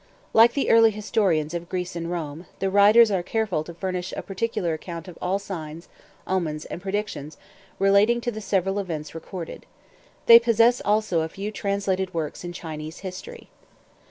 Like the early historians of Greece and Rome, the writers are careful to furnish a particular account of all signs, omens, and predictions relating to the several events recorded. They possess also a few translated works in Chinese history.